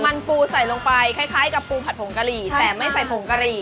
มันปูใส่ลงไปคล้ายกับปูผัดผงกะหรี่แต่ไม่ใส่ผงกะหรี่